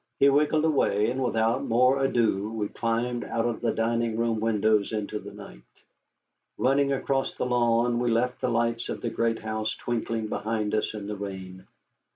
He wriggled away, and without more ado we climbed out of the dining room windows into the night. Running across the lawn, we left the lights of the great house twinkling behind us in the rain.